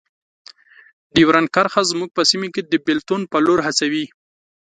ډیورنډ کرښه زموږ په سیمو کې د بیلتون په لور هڅوي.